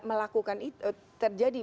melakukan itu terjadi